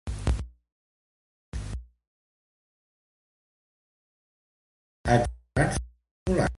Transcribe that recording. La zona adjacent s'ha omplert de cabarets, bars i restaurants populars.